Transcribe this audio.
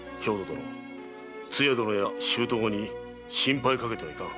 殿つや殿や舅御に心配かけてはいかん。